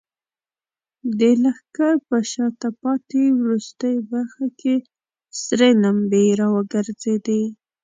د لښکر په شاته پاتې وروستۍ برخه کې سرې لمبې راوګرځېدې.